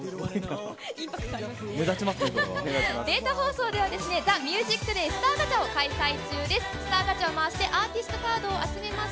データ放送では、ＴＨＥＭＵＳＩＣＤＡＹスターガチャを開催中です。